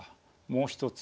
もう一つ。